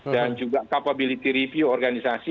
dan juga capability review organisasi